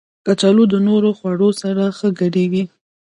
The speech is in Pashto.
کچالو د نورو خوړو سره ښه ګډېږي